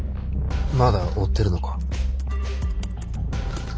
まだ追ってるのか？